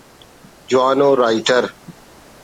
جوان ءُ رائٹر